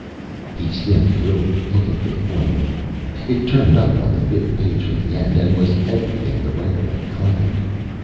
He skimmed through it, looking for the formula. It turned up on the fifth page from the end, and was everything the writer had claimed.